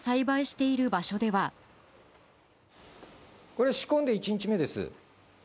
これ、仕込んで１日目です。